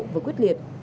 và quyết liệt